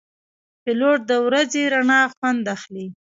پیلوټ د ورځې رڼا خوند اخلي.